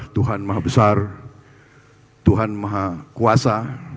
tuhan maha besar tuhan maha kuasa